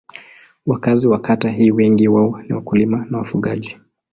Wakazi wa kata hii wengi wao ni wakulima na wafugaji.